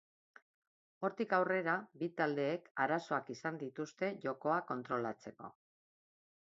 Hortik aurrera, bi taldeek arazoak izan dituzte jokoa kontrolatzeko.